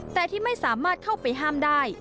แต่ที่ไม่สามารถเข้าไปห้ามได้